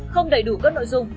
không đầy đủ các nội dung